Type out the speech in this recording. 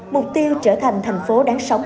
mục tiêu trở thành thành phố đáng sống